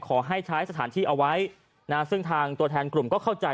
ขอให้ใช้สถานที่เอาไว้นะซึ่งทางตัวแทนกลุ่มก็เข้าใจ